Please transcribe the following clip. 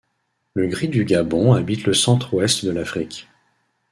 Le gris du Gabon habite le centre ouest de l'Afrique.